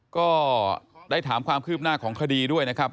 ก็ได้ถามความคืบหน้าของคดีด้วยนะครับ